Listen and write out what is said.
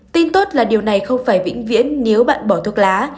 tin tốt là điều này không phải vĩnh viễn nếu bạn bỏ thuốc lá